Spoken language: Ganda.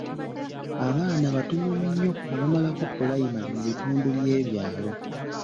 Abaana batono nnyo abamalako pulayimale mu bitundu by'ebyalo.